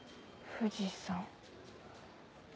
富士山。